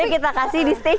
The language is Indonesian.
tapi kita kasih di stage ya